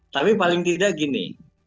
tapi paling tidak gini